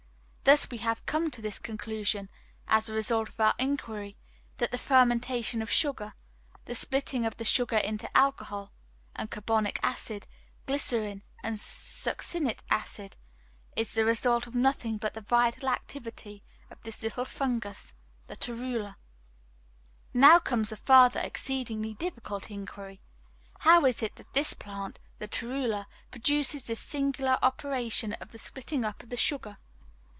Thus we have come to this conclusion, as the result of our inquiry, that the fermentation of sugar, the splitting of the sugar into alcohol and carbonic acid, glycerine, and succinic acid, is the result of nothing but the vital activity of this little fungus, the torula. And now comes the further exceedingly difficult inquiry how is it that this plant, the torula, produces this singular operation of the splitting up of the sugar?